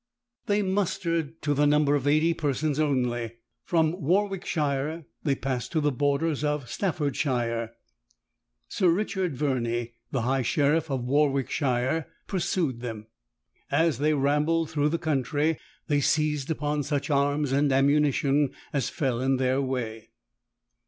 They mustered to the number of eighty persons only. From Warwickshire they passed to the borders of Staffordshire. Sir Richard Verney, the high sheriff of Warwickshire, pursued them. As they rambled through the country, they seized upon such arms and ammunition as fell in their way.